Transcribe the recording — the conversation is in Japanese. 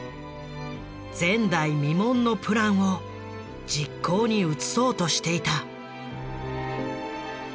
前代未聞のプランを実行に移そうとしていた。